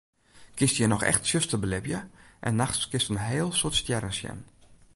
Kinst hjir noch echt tsjuster belibje en nachts kinst in heel soad stjerren sjen.